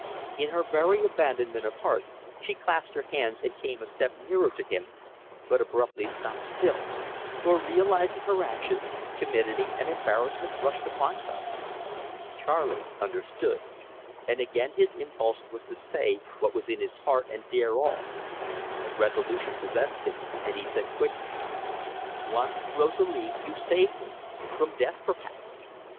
In very abandonment of heart she clasped her hands and came a step nearer to him, but abruptly stopped still; for, realising her action, timidity and embarrassment rushed upon her. Charley understood, and again his impulse was to say what was in his heart and dare all; but resolution possessed him, and he said quickly: "Once, Rosalie, you saved me from death perhaps.